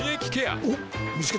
おっ見つけた。